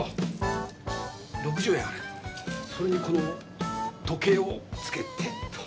それにこの時計をつけてっと。